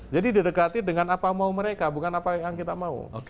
jadi didekati dengan apa mau mereka bukan apa yang kita mau